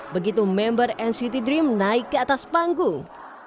begitu member nct dream naik ke atas panggung